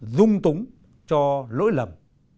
dung túng cho lỗi lầm